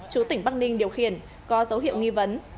chú tỉnh bắc ninh điều khiển có dấu hiệu nghi vấn